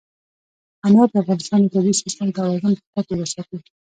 انار د افغانستان د طبعي سیسټم توازن په ښه توګه ساتي.